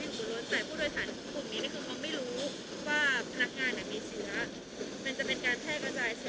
มันอาจจะมีการแท่งเชื้อให้กับผู้โดยสารที่เขาอยู่บนรถ